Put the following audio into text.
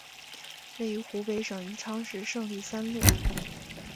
位于湖北省宜昌市胜利三路。